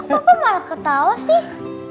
kok papa malah ketawa sih